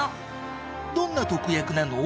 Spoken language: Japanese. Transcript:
どんな特約なの？